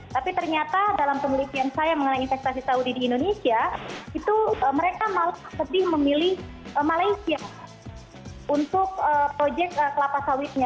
tapi ternyata dalam penelitian saya mengenai investasi saudi di indonesia itu mereka malah sedih memilih malaysia untuk proyek kelapa sawitnya